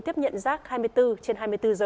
tiếp nhận rác hai mươi bốn trên hai mươi bốn giờ